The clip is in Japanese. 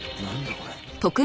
これ。